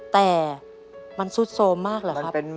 แต่มันซุดโทรมมากเหรอครับ